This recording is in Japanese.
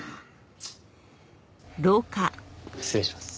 失礼します。